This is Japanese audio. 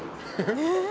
えっ！